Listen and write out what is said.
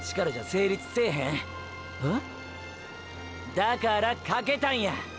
だから賭けたんや！！